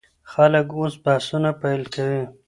خلک اوس بحثونه پیل کوي.